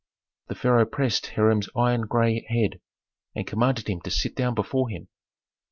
The pharaoh pressed Hiram's iron gray head and commanded him to sit down before him.